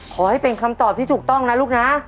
ขอให้เป็นคำตอบที่ถูกต้องนะลูกนะ